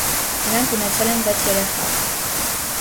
Նրանք ունեցել են վեց երեխա։